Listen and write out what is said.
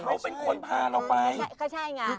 เขาเป็นคนพาเราไป